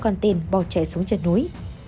theo con tên bò chạy xuống chân núi